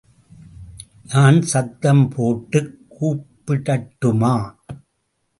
நான் சத்தம் போட்டுக் கூப்பிடட்டுமா?